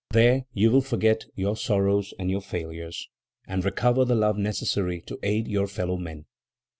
There you will forget your sorrows and your failures, and recover the love necessary to aid your fellow men.